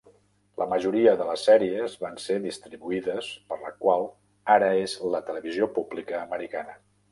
La majoria de les sèries van ser distribuïdes per la qual ara és la Televisió pública americana.